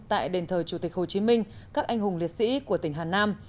tại đền thờ chủ tịch hồ chí minh các anh hùng liệt sĩ của tỉnh hà nam